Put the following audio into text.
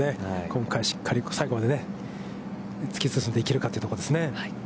今回、しっかり最後まで突き進んでいけるかというところですね。